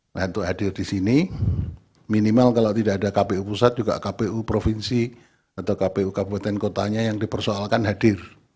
nah untuk hadir di sini minimal kalau tidak ada kpu pusat juga kpu provinsi atau kpu kabupaten kotanya yang dipersoalkan hadir